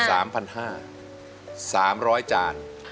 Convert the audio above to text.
สามพันห้าสามร้อยจาน